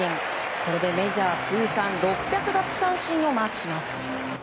これでメジャー通算６００奪三振をマークします。